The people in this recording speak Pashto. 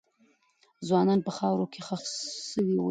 ځوانان په خاورو کې خښ سوي ول.